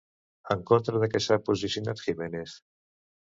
En contra de què s'ha posicionat Giménez?